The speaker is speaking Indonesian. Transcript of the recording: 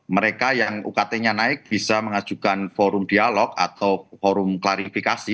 mereka yang ukt nya naik bisa mengajukan forum dialog atau forum klarifikasi